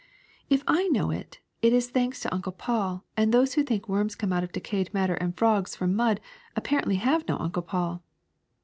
'' If I know it, it is thanks to Uncle Paul; and those who think worms come from decayed matter and frogs from mud apparently have no Uncle Paul.